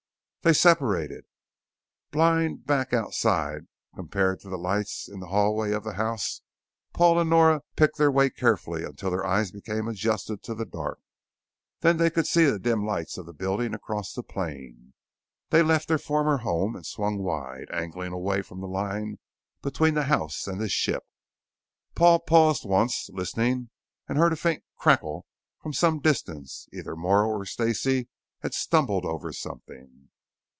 They separated. Blind black outside compared to the lights in the hallways of the house, Paul and Nora picked their way carefully until their eyes became adjusted to the dark. Then they could see the dim lights of the buildings across the plain. They left their former home and swung wide, angling away from the line between the house and the ship. Paul paused once, listening, and heard a faint crackle from some distance; either Morrow or Stacey had stumbled over something.